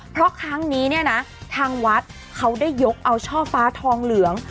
เพราะครั้งนี้เนี่ยนะทางวัดเขาได้ยกเอาช่อฟ้าทองเหลือง